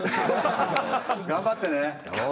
・頑張ってね！